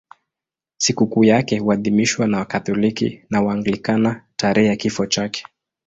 Sikukuu yake huadhimishwa na Wakatoliki na Waanglikana tarehe ya kifo chake.